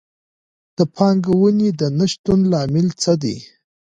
د پانګونې د نه شتون لامل څه دی؟